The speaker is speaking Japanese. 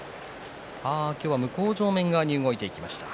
今日は向正面側に動いていきました。